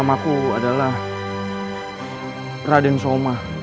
ayahku adalah temenggung dari